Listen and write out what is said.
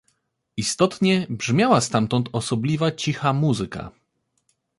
"Istotnie brzmiała stamtąd osobliwa cicha muzyka."